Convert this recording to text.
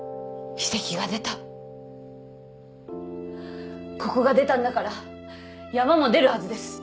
ここが出たんだから山も出るはずです。